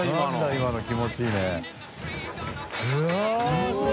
今の気持ちいいねΔ錙